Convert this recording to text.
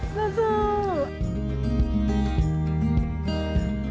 สู้